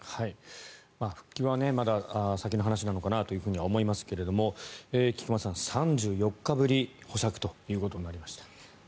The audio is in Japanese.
復帰はまだ先の話なのかなと思いますけども菊間さん、３４日ぶりに保釈ということになりました。